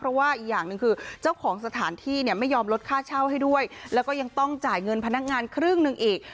เพราะว่าอีกอย่างหนึ่งคือเจ้าของสถานที่เนี่ยไม่ยอมลดค่าเช่าให้ด้วยแล้วก็ยังต้องจ่ายเงินพนักงานครึ่งหนึ่งอีก